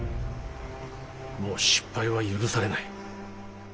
もう失敗は許されない。